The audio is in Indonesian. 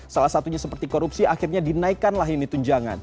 salah satunya seperti korupsi akhirnya dinaikkanlah ini tunjangan